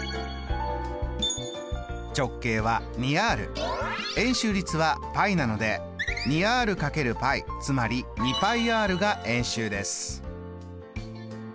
直径は「２ｒ」円周率は「π」なので２ｒ×πつまり「２πｒ」が円周です。